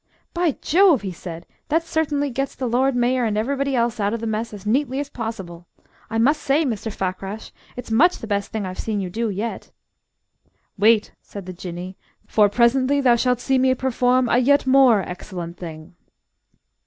"By Jove!" he said, "that certainly gets the Lord Mayor and everybody else out of the mess as neatly as possible. I must say, Mr. Fakrash, it's much the best thing I've seen you do yet." "Wait," said the Jinnee, "for presently thou shalt see me perform a yet more excellent thing."